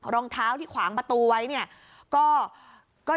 รองเท้าที่ขวางประตูไว้เนี่ย